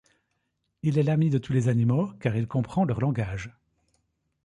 Il est l'ami de tous les animaux car il comprend leur langage.